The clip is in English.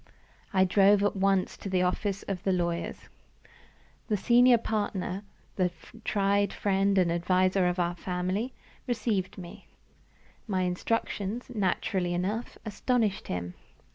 I drove at once to the office of my lawyers. The senior partner the tried friend and adviser of our family received me. My instructions, naturally enough, astonished him.